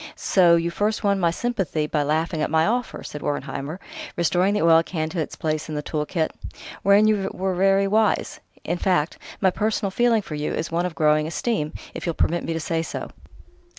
So you first won my sympathy by laughing at my offer," said Wertheimer, restoring the oil can to its place in the tool kit; "wherein you were very wise.... In fact, my personal feeling for you is one of growing esteem, if you'll permit me to say so.